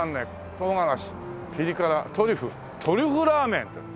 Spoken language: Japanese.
「唐辛子」「ピリ辛」「トリュフ」「トリュフらーめん」！